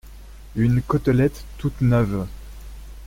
Une côtelette toute neuve !…